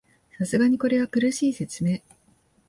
さすがにこれは苦しい説明